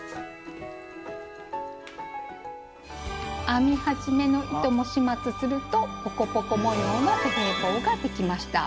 編み始めの糸も始末するとポコポコ模様のベレー帽ができました。